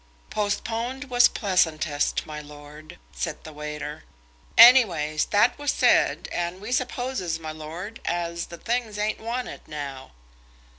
"Postponed was pleasantest, my lord," said the waiter. "Anyways, that was said, and we supposes, my lord, as the things ain't wanted now."